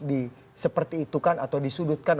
di seperti itukan atau disudutkan